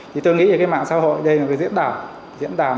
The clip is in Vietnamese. thì tôi nghĩ mạng xã hội đây là diễn đàn